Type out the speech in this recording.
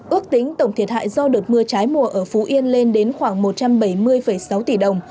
ước tính tổng thiệt hại do đợt mưa trái mùa ở phú yên lên đến khoảng một trăm bảy mươi sáu tỷ đồng